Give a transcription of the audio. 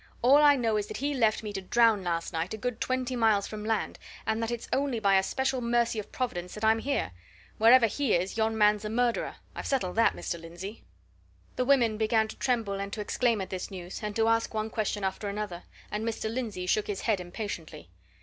All I know is that he left me to drown last night, a good twenty miles from land, and that it's only by a special mercy of Providence that I'm here. Wherever he is, yon man's a murderer I've settled that, Mr. Lindsey!" The women began to tremble and to exclaim at this news, and to ask one question after another, and Mr. Lindsey shook his head impatiently.